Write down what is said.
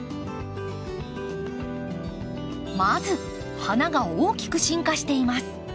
まず花が大きく進化しています。